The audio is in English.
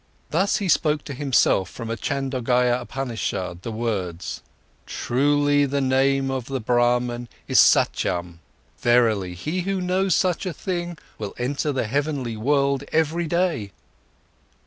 Often he spoke to himself from a Chandogya Upanishad the words: "Truly, the name of the Brahman is satyam—verily, he who knows such a thing, will enter the heavenly world every day."